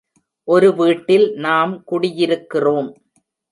ஒரு வீட்டில் நாம் குடியிருக்கிறோம்.